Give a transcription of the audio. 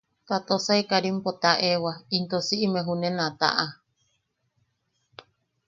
Ta Tosai Karimpo taʼewa into siʼime junen a taʼa.